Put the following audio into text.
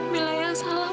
mila yang salah